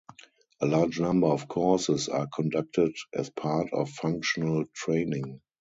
A large number of courses are conducted as part of functional training.